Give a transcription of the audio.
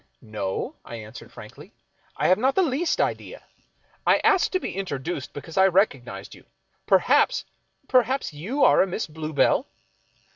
" No," I answered frankly, " I have not the least idea. I asked to be introduced because I recognized you. Per haps — perhaps you are a Miss Bluebell